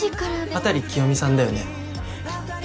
辺清美さんだよね？